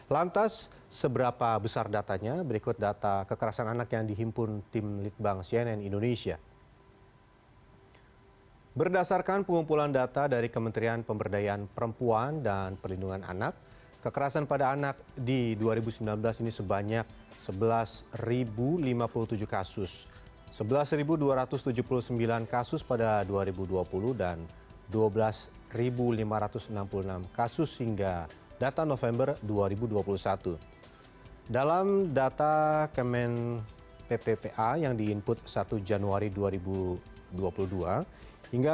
lantas seberapa besar datanya berikut data kekerasan anak yang dihimpun